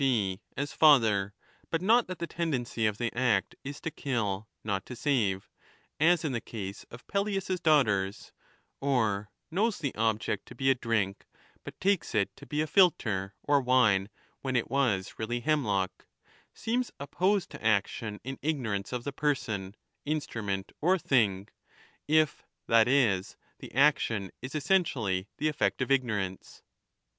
g. as father, but not that the tendency of the act is to kill, not to save, as in the case of Pelias's daughters ; or knows the object to be a drink but takes it to be a philtre or wine when it was really hemlock — seems opposed to action in 5 ignorance of the person, instrument, or thing, if, that is, the action is essentially the effect of ignorance.